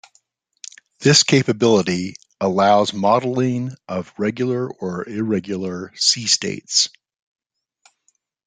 This capability allows modeling of regular or irregular sea states.